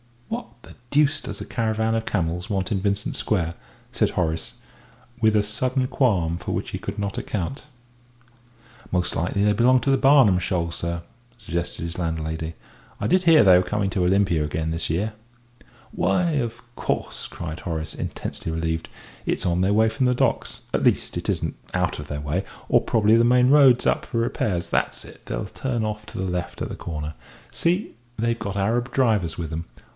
"What the deuce does a caravan of camels want in Vincent Square?" said Horace, with a sudden qualm for which he could not account. "Most likely they belong to the Barnum Show, sir," suggested his landlady. "I did hear they were coming to Olympia again this year." "Why, of course," cried Horace, intensely relieved. "It's on their way from the Docks at least, it isn't out of their way. Or probably the main road's up for repairs. That's it they'll turn off to the left at the corner. See, they've got Arab drivers with them.